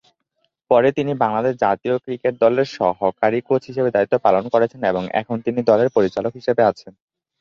পরে তিনি বাংলাদেশ জাতীয় ক্রিকেট দলের সহকারী কোচ হিসাবে দায়িত্ব পালন করেছেন এবং এখন তিনি দলের পরিচালক হিসেবে আছেন।